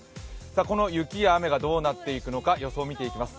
この雪や雨がどうなっていくのか予想を見ていきます。